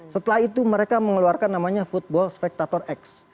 setelah itu mereka mengeluarkan namanya football spectator x